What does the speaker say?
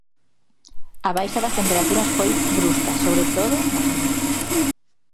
A baixa das temperaturas foi brusca, sobre todo, nas mínimas.